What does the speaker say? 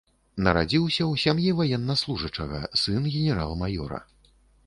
Нарадзіўся ў сям'і ваеннаслужачага, сын генерал-маёра.